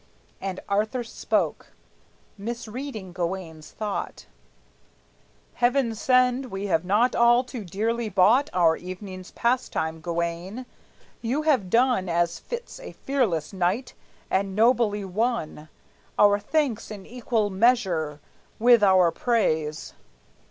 And Arthur spoke, misreading Gawayne's thought: "Heaven send we have not all too dearly bought Our evening's pastime, Gawayne. You have done As fits a fearless knight, and nobly won Our thanks in equal measure with our praise.